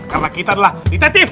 karena kita adalah detektif